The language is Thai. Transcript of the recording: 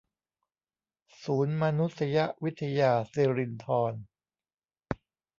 ศูนย์มานุษยวิทยาสิรินธร